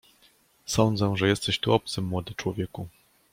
"Sądzę, że jesteś tu obcym, młody człowieku?"